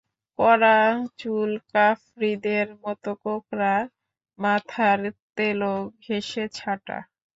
কড়া চুল কাফ্রিদের মতো কোঁকড়া, মাথার তেলো ঘেঁষে ছাঁটা।